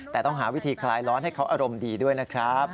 แต่ต้องหาวิธีคลายร้อนให้เขาอารมณ์ดีด้วยนะครับ